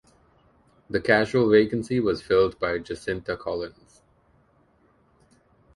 The casual vacancy was filled by Jacinta Collins.